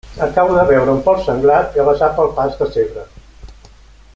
Acabo de veure un porc senglar travessar pel pas de zebra.